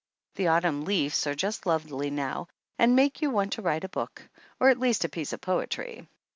The autumn leaves are just lovely now and make you want to write a book, or at least a piece of poetry.